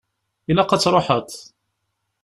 Ilaq ad truḥeḍ.